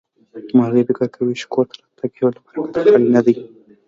مرغۍ فکر کوي چې کور ته راتګ يې له برکته خالي نه دی.